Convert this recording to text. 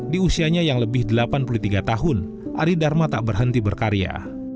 di usianya yang lebih delapan puluh tiga tahun ari dharma tak berhenti berkarya